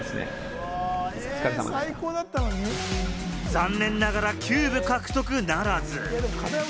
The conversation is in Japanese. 残念ながらキューブ獲得ならず。